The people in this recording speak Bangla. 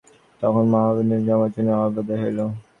তখন মহানুভব রামানুজের অভ্যুদয় হইল।